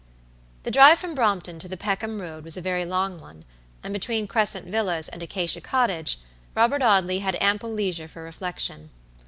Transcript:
The drive from Brompton to the Peckham Road was a very long one, and between Crescent Villas and Acacia Cottage, Robert Audley had ample leisure for reflection.